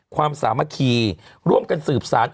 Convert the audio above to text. สามัคคีร่วมกันสืบสาร